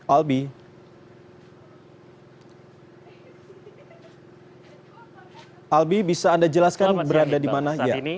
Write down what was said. albi bisa anda jelaskan berada di mana saat ini